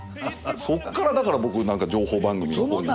そこからだから僕情報番組のほうに。